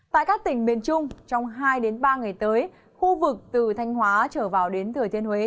tại các tỉnh miền trung trong hai ba ngày tới khu vực từ thanh hóa trở vào đến thừa thiên huế